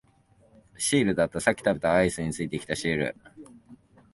シールだった、さっき食べたアイスについていたシール